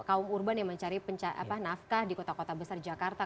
kaum urban yang mencari nafkah di kota kota besar jakarta